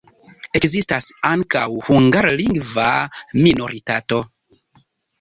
Ekzistas ankaŭ hungarlingva minoritato.